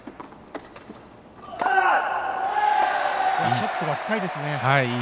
ショットが深いですね。